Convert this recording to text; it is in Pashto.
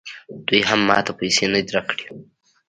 دوی هم ماته پیسې نه دي راکړي